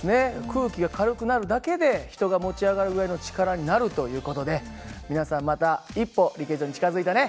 空気が軽くなるだけで人が持ち上がるぐらいの力になるという事で皆さんまた一歩リケジョに近づいたね。